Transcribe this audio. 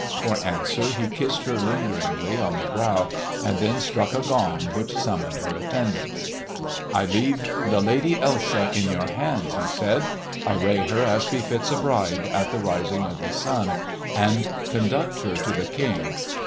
For answer he kissed her lingeringly on the brow and then struck a gong which summoned her attendants. "I leave the Lady Elsa in your hands," he said. "Array her as befits a bride, at the rising of the sun, and conduct her to the King.